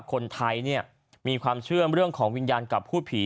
คนไทยเนี่ยมีความเชื่อเรื่องของวิญญาณกับพูดผี